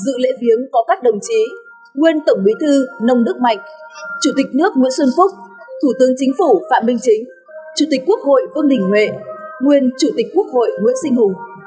dự lễ viếng có các đồng chí nguyên tổng bí thư nông đức mạnh chủ tịch nước nguyễn xuân phúc thủ tướng chính phủ phạm minh chính chủ tịch quốc hội vương đình huệ nguyên chủ tịch quốc hội nguyễn sinh hùng